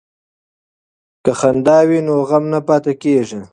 که خندا وي نو غم نه پاتې کیږي.